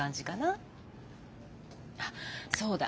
あっそうだ。